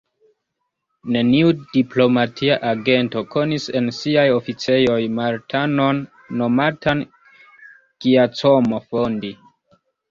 Neniu diplomatia agento konis en siaj oficejoj Maltanon nomatan Giacomo Fondi.